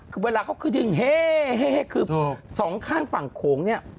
คือเวลาเขาคือดึงเฮ่คือสองข้างฝั่งโขงเนี่ย